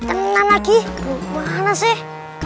tenang lagi kemana sih